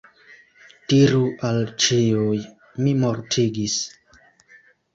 Diru al ĉiuj “mi mortigis”.